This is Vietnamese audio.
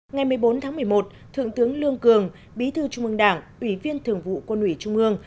ngày một mươi bốn tháng một mươi một thượng tướng lương cường bí thư trung ương đảng ủy viên thường vụ quân ủy trung ương